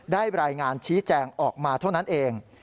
รายงานชี้แจงออกมาเท่านั้นเอง